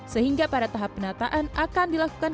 sehingga pada tahap penataan akan dilakukan